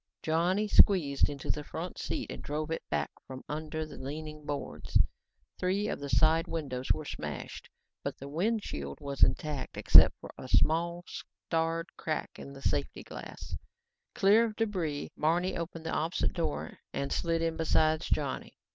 Johnny squeezed into the front seat and drove it back from under more leaning boards. Three of the side windows were smashed but the windshield was intact except for a small, starred crack in the safety glass. Clear of the debris, Barney opened the opposite door and slid in beside Johnny.